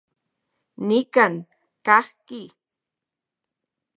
Nikan kajki.